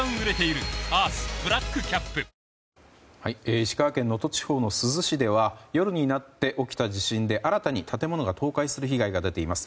石川県能登地方の珠洲市では夜になって起きた地震で新たに建物が倒壊する被害が出ています。